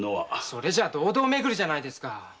それじゃ堂々めぐりじゃないですか。